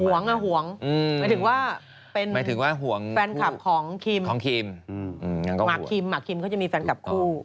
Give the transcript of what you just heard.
หวงหมายถึงว่าเป็นแฟนคลับของคิมหมากคิมก็จะมีแฟนคลับคู่